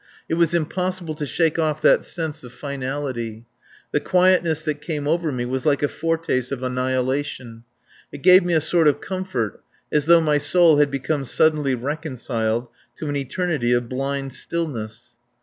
It was impossible to shake off that sense of finality. The quietness that came over me was like a foretaste of annihilation. It gave me a sort of comfort, as though my soul had become suddenly reconciled to an eternity of blind stillness.